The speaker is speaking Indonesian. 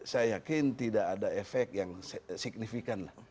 saya yakin tidak ada efek yang signifikan lah